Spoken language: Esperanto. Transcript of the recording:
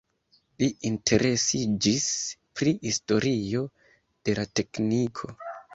Li interesiĝis pri historio de la tekniko.